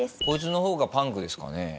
こいつの方がパンクですかね？